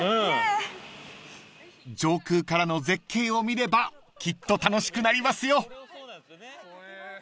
［上空からの絶景を見ればきっと楽しくなりますよ！］